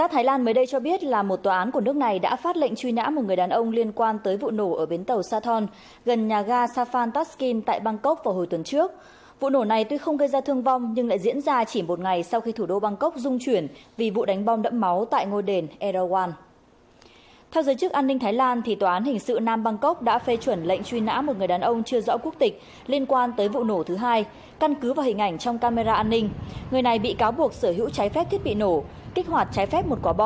hãy đăng ký kênh để ủng hộ kênh của chúng mình nhé